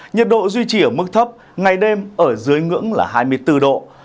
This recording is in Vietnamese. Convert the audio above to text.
nhiệt độ duy trì ở mức thấp ngày đêm ở dưới ngưỡng là hai mươi bốn độ